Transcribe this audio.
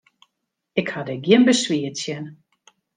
Ik ha der gjin beswier tsjin.